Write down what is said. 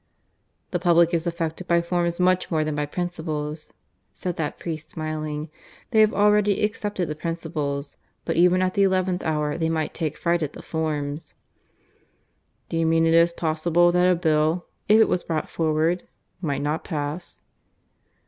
"The public is affected by forms much more than by principles," said that priest, smiling. "They have already accepted the principles; but even at the eleventh hour they might take fright at the forms." "Do you mean it is possible that a Bill, if it was brought forward, might not pass?"